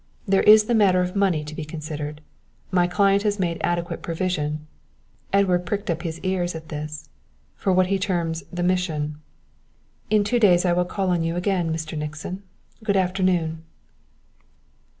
There is the matter of money to be considered. My client has made adequate provision" Edward pricked up his ears at this "for what he terms 'the mission.'" "In two days I will call on you again, Mr. Nixon. Good afternoon."